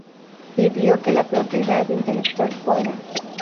pidió que la propiedad intelectual fuera